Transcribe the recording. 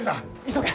急げ！